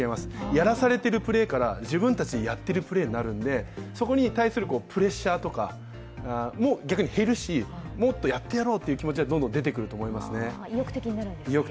やらされているプレーから自分たちでやっているプレーになるので、そこに対するプレッシャーとかも逆に減るし、もっとやってやろうという気持ちも出ると思いますね。